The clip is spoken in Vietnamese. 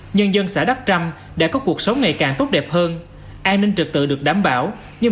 nhân dân xã đắc trăm đã có cuộc sống ngày càng tốt đẹp hơn an ninh trực tự được đảm bảo nhưng